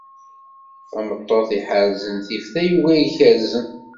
tameṭṭut i iḥerrzen tif tayuga n yezgaren.